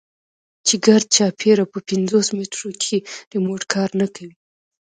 چې ګردچاپېره په پينځوس مټرو کښې ريموټ کار نه کوي.